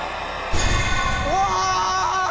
うわ！